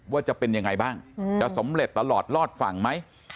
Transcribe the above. ว่าจะเป็นยังไงบ้างจะสำเร็จตลอดรอดฝั่งไหม